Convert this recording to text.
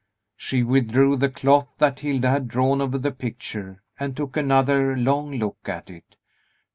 She withdrew the cloth that Hilda had drawn over the picture, and took another long look at it.